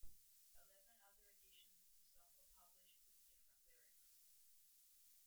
Eleven other editions of the song were published with different lyrics.